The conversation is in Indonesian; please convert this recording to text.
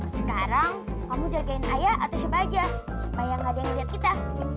sekarang kamu jagain ayah atau siapa aja supaya gak ada yang lihat kita